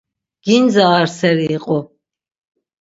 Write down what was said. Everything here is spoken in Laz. Gindze ar seri iqu.